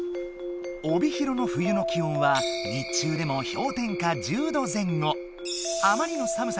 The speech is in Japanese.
帯広の冬の気温は日中でも氷点下１０度前後。